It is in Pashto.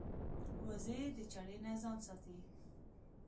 وزې د چړې نه ځان ساتي